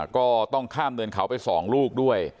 ก็ต้องข้ามเนินเขาไป๒ลูกด้วย